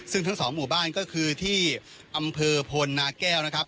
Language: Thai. ซึ่งทั้งสองหมู่บ้านก็คือที่อำเภอพลนาแก้วนะครับ